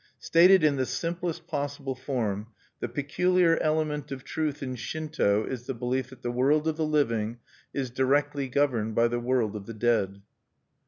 Stated in the simplest possible form, the peculiar element of truth in Shinto is the belief that the world of the living is directly governed by the world of the dead.